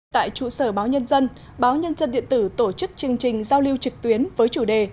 tại trụ sở báo nhân dân báo nhân dân điện tử tổ chức chương trình giao lưu trực tuyến với chủ đề